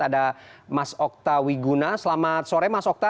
ada mas okta wiguna selamat sore mas okta